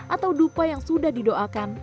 atau dupa yang sudah didoakan